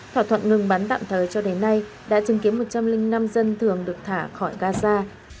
thỏa thuận ngừng bắn tạm thời cho đến nay đã chứng kiến một trăm linh năm dân thường được thả khỏi gaza